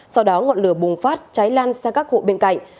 sau đó ngọn lửa bùng phát cháy lan sang các hộ bên cạnh